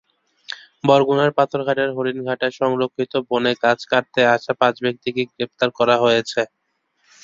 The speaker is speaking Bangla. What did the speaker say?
বরগুনার পাথরঘাটার হরিণঘাটা সংরক্ষিত বনে গাছ কাটতে আসা পাঁচ ব্যক্তিকে গ্রেপ্তার করা হয়েছে।